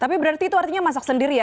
tapi berarti itu artinya masak sendiri ya